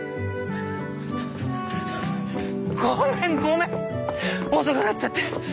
ごめんごめん遅くなっちゃって。